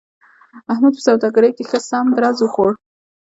احمد په سوداګرۍ کې ښه سم درز و خوړ.